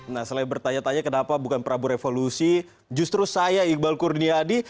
nah selain bertanya tanya kenapa bukan prabu revolusi justru saya iqbal kurniadi